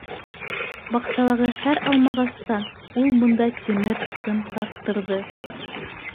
Баҡсалағы һәр алмағастан ул бында тимер сым тарттырҙы.